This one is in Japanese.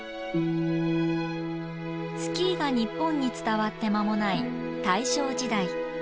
スキーが日本に伝わって間もない大正時代。